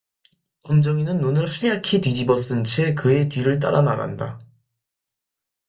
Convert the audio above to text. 검정이는 눈을 하얗게 뒤집어 쓴 채 그의 뒤를 따라나간다.